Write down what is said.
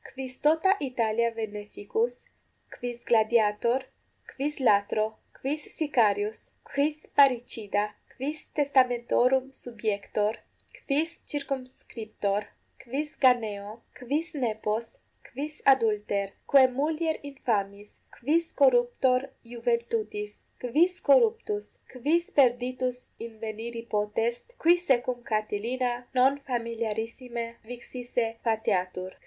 quis tota Italia veneficus, quis gladiator, quis latro, quis sicarius, quis parricida, quis testamentorum subiector, quis circumscriptor, quis ganeo, quis nepos, quis adulter, quae mulier infamis, quis corruptor iuventutis, quis corruptus, quis perditus inveniri potest, qui se cum Catilina non familiarissime vixisse fateatur?